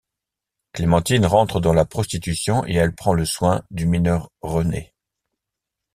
Clémentine rentre dans la prostitution et elle prend le soin du mineur René.